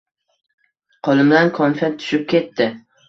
Qo‘limdan konfet tushib ketdi.